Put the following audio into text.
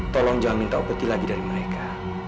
tolong jangan minta obati lagi dari mereka